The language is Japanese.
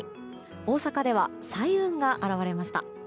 大阪では彩雲が現れました。